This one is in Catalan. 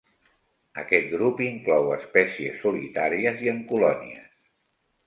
Aquest grup inclou espècies solitàries i en colònies.